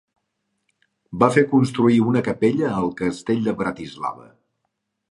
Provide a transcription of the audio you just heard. Va fer construir una capella al castell de Bratislava.